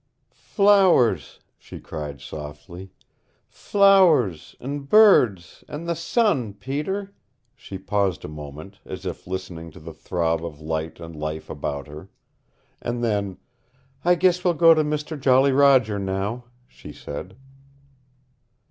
"Flowers," she cried softly. "Flowers, an' birds, an' the sun, Peter " She paused a moment, as if listening to the throb of light and life about her. And then, "I guess we'll go to Mister Jolly Roger now," she said.